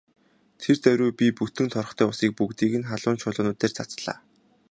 Тэр даруй би бүтэн торхтой усыг бүгдийг нь халуун чулуунууд дээр цацлаа.